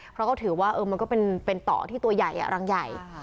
เขาก็ถือว่าเออมันก็เป็นเป็นต่อที่ตัวใหญ่อ่ะรังใหญ่